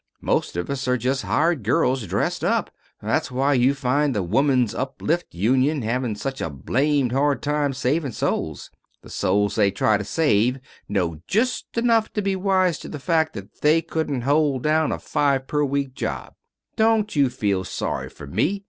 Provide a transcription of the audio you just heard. Most of us are just hired girls, dressed up. That's why you find the Woman's Uplift Union having such a blamed hard time savin' souls. The souls they try to save know just enough to be wise to the fact that they couldn't hold down a five per week job. Don't you feel sorry for me.